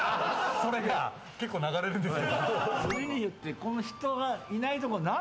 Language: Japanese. それが結構流れるんですよ。